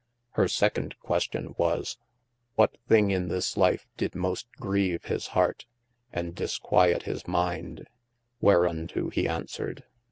Hir second 393 THE ADVENTURES question was, what thing in this life did most greeve his harte, and disquiet his minde, wherunto he answered.